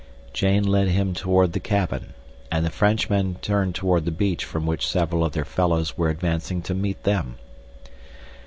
Jane led him toward the cabin, and the Frenchmen turned toward the beach from which several of their fellows were advancing to meet them.